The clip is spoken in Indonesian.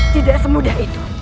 tidak semudah itu